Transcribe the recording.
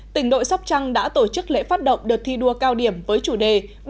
tỉnh đội sóc trăng đã tổ chức lễ phát động đợt thi đua cao điểm với chủ đề